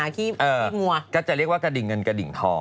ที่งัวก็จะเรียกว่ากระดิ่งเงินกระดิ่งทอง